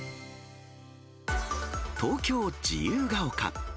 東京・自由が丘。